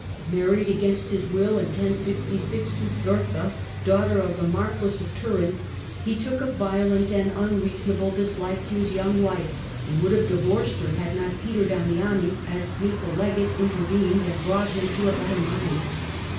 Married against his will in 1066 to Bertha, daughter of the Marquis of Turin, he took a violent and unreasonable dislike to his young wife, and would have divorced her had not Peter Damiani, as papal legate, intervened, and brought him to a better mind.